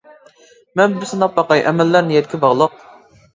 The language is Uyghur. مەن بىر سىناپ باقاي ئەمەللەر نىيەتكە باغلىق.